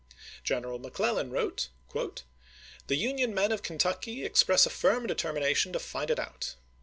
General McClellan wrote : The Union men of Kentucky express a firm determina tion to fight it out.